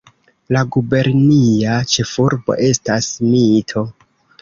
La gubernia ĉefurbo estas Mito.